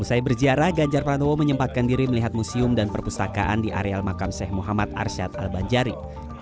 usai berziarah ganjar pranowo menyempatkan diri melihat museum dan perpustakaan di areal makam sheikh muhammad arsyad al banjari